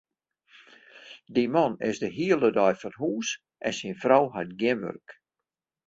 Dy man is de hiele dei fan hûs en syn frou hat gjin wurk.